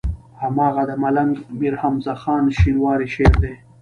هماغه د ملنګ مير حمزه خان شينواري شعر دی.